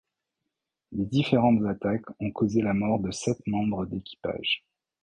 Les différentes attaques ont causé la mort de sept membres d'équipage.